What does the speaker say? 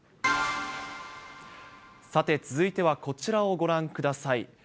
さて、続いてはこちらをご覧ください。